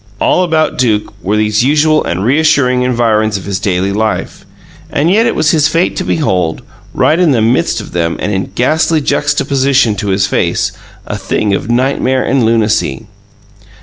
All about Duke were these usual and reassuring environs of his daily life, and yet it was his fate to behold, right in the midst of them, and in ghastly juxtaposition to his face, a thing of nightmare and lunacy.